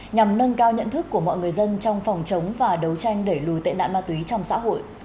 nhằm nâng cao nhận thức của mọi người dân trong phòng chống và đấu tranh đẩy lùi tệ nạn ma túy trong xã hội